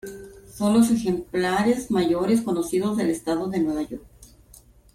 Son los ejemplares mayores conocidos del estado de Nueva York.